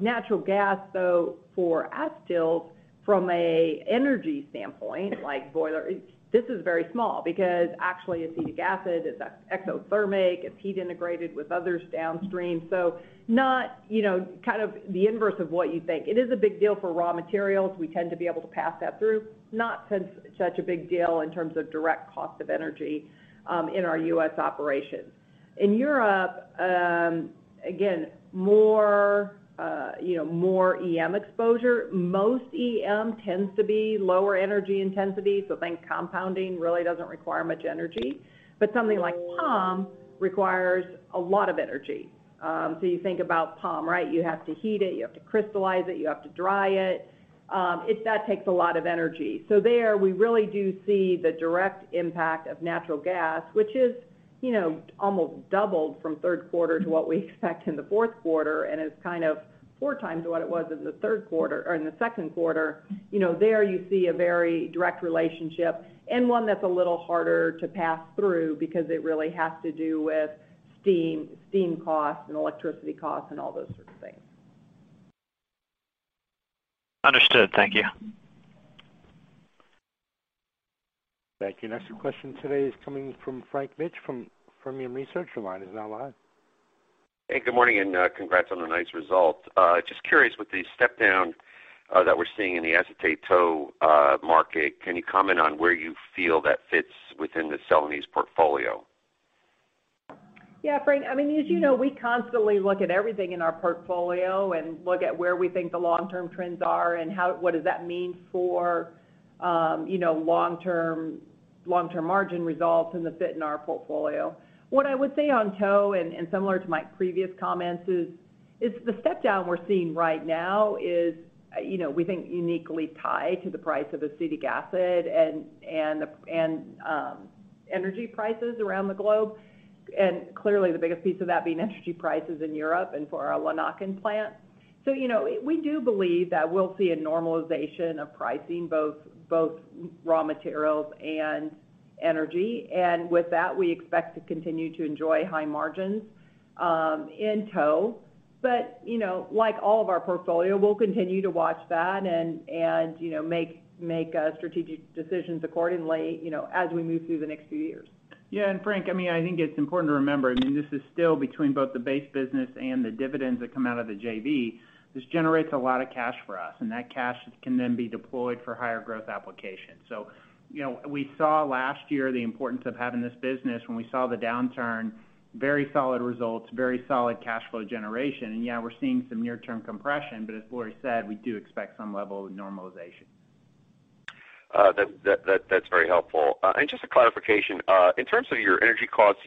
natural gas, though, for acetyls, from a energy standpoint, like boiler, this is very small because actually acetic acid is exothermic. It's heat integrated with others downstream. Kind of the inverse of what you think. It is a big deal for raw materials. We tend to be able to pass that through. Not such a big deal in terms of direct cost of energy in our U.S. operations. In Europe, again, more EM exposure. Most EM tends to be lower energy intensity, think compounding really doesn't require much energy. Something like POM requires a lot of energy. You think about POM, right? You have to heat it. You have to crystallize it. You have to dry it. That takes a lot of energy. There, we really do see the direct impact of natural gas, which is almost doubled from third quarter to what we expect in the fourth quarter, and is kind of 4x what it was in the second quarter. There you see a very direct relationship and one that's a little harder to pass through because it really has to do with steam costs and electricity costs and all those sorts of things. Understood. Thank you. Thank you. Next question today is coming from Frank Mitsch from Fermium Research. Your line is now live. Hey, good morning, congrats on a nice result. Just curious, with the step down that we're seeing in the acetate tow market, can you comment on where you feel that fits within the Celanese portfolio? Yeah, Frank, as you know, we constantly look at everything in our portfolio and look at where we think the long-term trends are and what does that mean for long-term margin results and the fit in our portfolio. What I would say on tow, and similar to my previous comments, is the step down we're seeing right now is, we think, uniquely tied to the price of acetic acid and energy prices around the globe, and clearly the biggest piece of that being energy prices in Europe and for our Lanaken plant. We do believe that we'll see a normalization of pricing, both raw materials and energy. With that, we expect to continue to enjoy high margins in tow. Like all of our portfolio, we'll continue to watch that and make strategic decisions accordingly as we move through the next few years. Frank, I think it's important to remember, this is still between both the base business and the dividends that come out of the JV. This generates a lot of cash for us. That cash can then be deployed for higher growth applications. We saw last year the importance of having this business when we saw the downturn, very solid results, very solid cash flow generation. We're seeing some near-term compression, but as Lori said, we do expect some level of normalization. That's very helpful. Just a clarification, in terms of your energy costs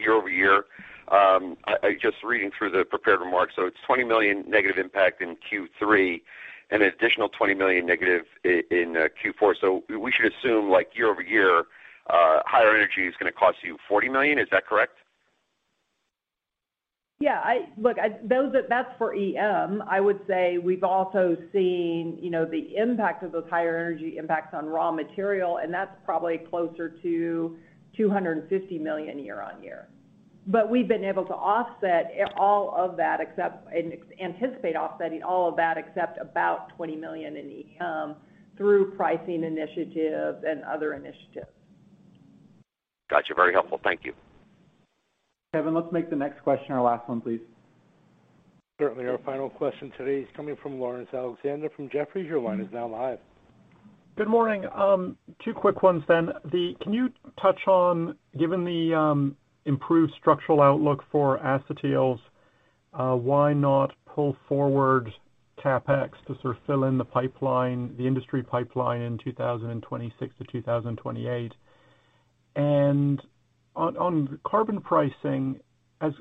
year-over-year, just reading through the prepared remarks, it's $20 million negative impact in Q3 and an additional $20 million negative in Q4. We should assume year-over-year, higher energy is going to cost you $40 million? Is that correct? Yeah. Look, that's for EM. I would say we've also seen the impact of those higher energy impacts on raw material, and that's probably closer to $250 million year-on-year. We've been able to offset all of that except, and anticipate offsetting all of that except about $20 million in EM through pricing initiatives and other initiatives. Got you. Very helpful. Thank you. Kevin, let's make the next question our last one, please. Certainly. Our final question today is coming from Laurence Alexander from Jefferies. Your line is now live. Good morning. Two quick ones then. Can you touch on, given the improved structural outlook for acetyls, why not pull forward CapEx to sort of fill in the industry pipeline in 2026-2028? On carbon pricing, to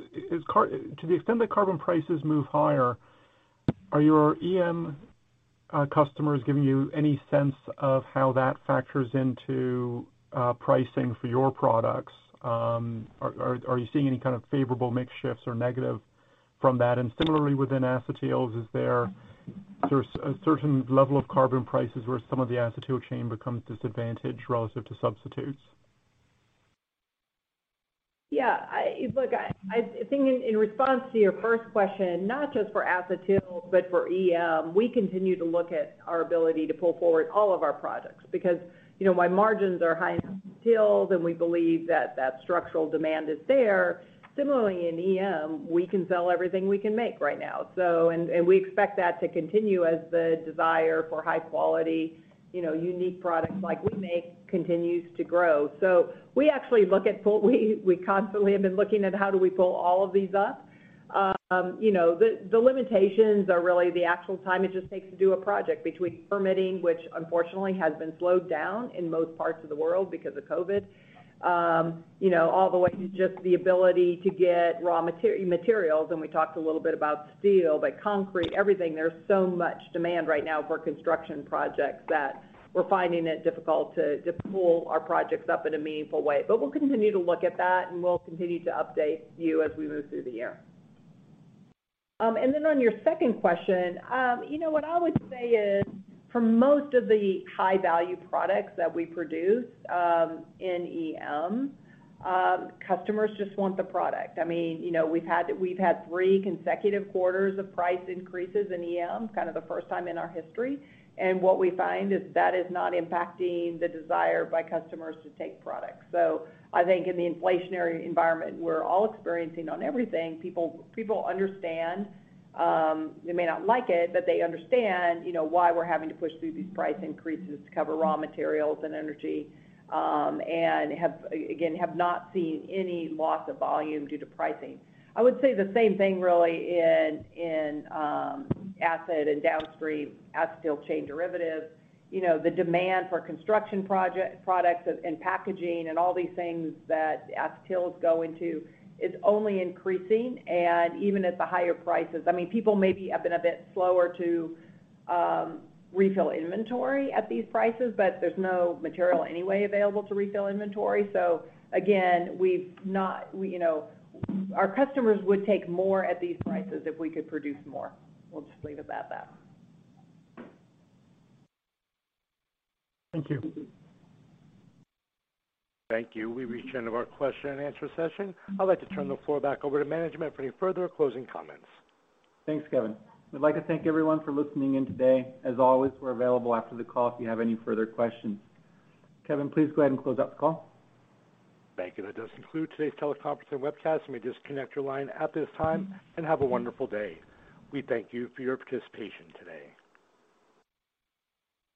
the extent that carbon prices move higher, are your EM customers giving you any sense of how that factors into pricing for your products? Are you seeing any kind of favorable mix shifts or negative from that? Similarly, within acetyls, is there a certain level of carbon prices where some of the acetyl chain becomes disadvantaged relative to substitutes? Yeah. Look, I think in response to your first question, not just for acetyls, but for EM, we continue to look at our ability to pull forward all of our projects because while margins are high in acetyl and we believe that that structural demand is there, similarly in EM, we can sell everything we can make right now. We expect that to continue as the desire for high quality, unique products like we make continues to grow. We constantly have been looking at how do we pull all of these up. The limitations are really the actual time it just takes to do a project between permitting, which unfortunately has been slowed down in most parts of the world because of COVID, all the way to just the ability to get raw materials. We talked a little bit about steel, but concrete, everything, there's so much demand right now for construction projects that we're finding it difficult to pull our projects up in a meaningful way. We'll continue to look at that, and we'll continue to update you as we move through the year. On your second question, what I would say is for most of the high-value products that we produce in EM, customers just want the product. We've had three consecutive quarters of price increases in EM, kind of the first time in our history, and what we find is that is not impacting the desire by customers to take products. I think in the inflationary environment we're all experiencing on everything, people understand, they may not like it, but they understand why we're having to push through these price increases to cover raw materials and energy, and again, have not seen any loss of volume due to pricing. I would say the same thing really in acid and downstream acetyl chain derivatives. The demand for construction products and packaging and all these things that acetyls go into is only increasing, and even at the higher prices. People may be have been a bit slower to refill inventory at these prices, but there's no material anyway available to refill inventory. Again, our customers would take more at these prices if we could produce more. We'll just leave it at that. Thank you. Thank you. We've reached the end of our question and answer session. I'd like to turn the floor back over to management for any further closing comments. Thanks, Kevin. We'd like to thank everyone for listening in today. As always, we're available after the call if you have any further questions. Kevin, please go ahead and close out the call. Thank you. That does conclude today's teleconference and webcast. You may disconnect your line at this time, and have a wonderful day. We thank you for your participation today.